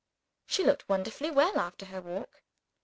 She looked wonderfully well, after her walk.